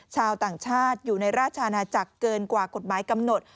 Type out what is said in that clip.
ชาวต่างชาติอยู่ในราชอาณาจักรเกินกว่ากฎหมายกำหนด